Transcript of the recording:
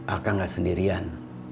akang gak sendirian